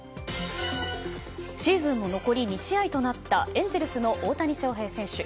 シーズンも残り２試合となったエンゼルスの大谷翔平選手。